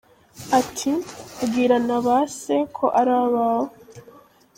Ati:”bwira n’aba se ko ari abawe”!